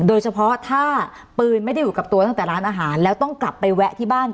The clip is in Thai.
โดยเฉพาะถ้าปืนไม่ได้อยู่กับตัวตั้งแต่ร้านอาหารแล้วต้องกลับไปแวะที่บ้าน